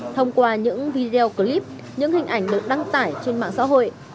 thông qua những video clip những hình ảnh được đăng tải trên mạng xã hội